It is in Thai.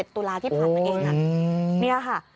๗ตุลาที่ผ่านตัวเองน่ะนี่ค่ะ